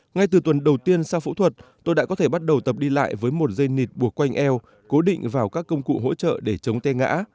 ngay từ tuần đầu tiên sau phẫu thuật tôi đã có thể bắt đầu tập đi lại với một dây nịt buộc quanh eo cố định vào các công cụ hỗ trợ để chống te ngã